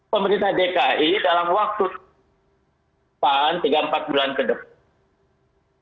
pemerintah dki dalam waktu depan tiga empat bulan ke depan